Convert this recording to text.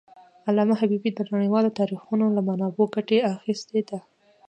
علامه حبيبي د نړیوالو تاریخونو له منابعو ګټه اخېستې ده.